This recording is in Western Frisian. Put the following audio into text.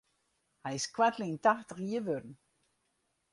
Hy is koartlyn tachtich jier wurden.